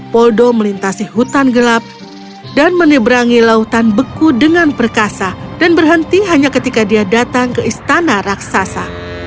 poldo melintasi hutan gelap dan menyeberangi lautan beku dengan perkasa dan berhenti hanya ketika dia datang ke istana raksasa